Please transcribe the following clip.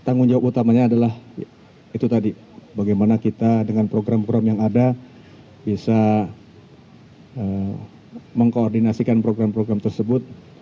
tanggung jawab utamanya adalah itu tadi bagaimana kita dengan program program yang ada bisa mengkoordinasikan program program tersebut